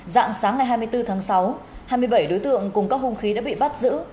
dạng sáng ngày hai mươi bốn tháng sáu hai mươi bảy đối tượng cùng các hung khí đã bị bắt giữ